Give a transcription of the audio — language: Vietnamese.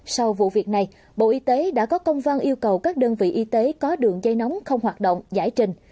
sau vụ việc này bộ y tế đã có công văn yêu cầu các đơn vị y tế có đường dây nóng không hoạt động giải trình